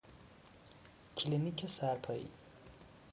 کلینیک سرپائی